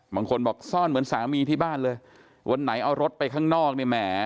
บางคนบอกซ่อนเหมือนสามีที่บ้านเลยวันไหนเอารถไปข้างนอกเนี่ยแหม